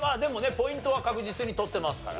ポイントは確実に取ってますから。